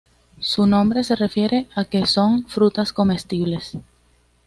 Su nombre se refiere a que son frutas comestibles.